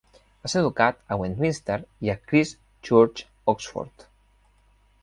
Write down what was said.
Va ser educat a Westminster i a Christ Church, Oxford.